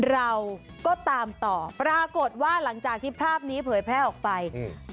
เราก็ตามต่อปรากฏว่าหลังจากที่ภาพนี้เผยแพร่ออกไปอืม